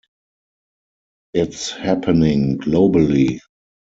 It's happening globally.